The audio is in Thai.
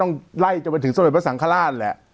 ทั้งไล่มันจะไปถึงสถาบัศงศ์สังฆลาศแหละ